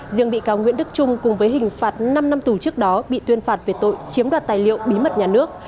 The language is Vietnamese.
riêng bị cáo nguyễn đức trung cùng với hình phạt năm năm tù trước đó bị tuyên phạt về tội chiếm đoạt tài liệu bí mật nhà nước